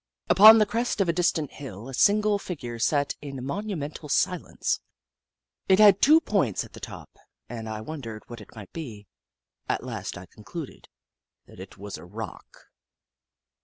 Upon the crest of a distant hill, a single figure sat in monumental silence. It had two points at the top, and I wondered what it might be. At last I concluded that it was a rock.